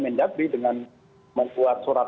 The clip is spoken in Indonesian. mendagri dengan membuat surat